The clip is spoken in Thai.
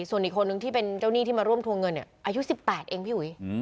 ส่วนอีกคนนึงที่เป็นเจ้าหนี้ที่มาร่วมทวงเงินเนี่ยอายุ๑๘เองพี่อุ๋ย